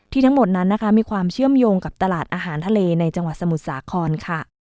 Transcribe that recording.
ทั้งหมดนั้นนะคะมีความเชื่อมโยงกับตลาดอาหารทะเลในจังหวัดสมุทรสาครค่ะ